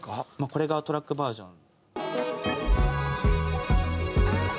これがトラックバージョン。